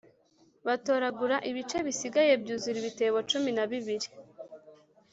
batoragura ibice bisigaye byuzura ibitebo cumi na bibiri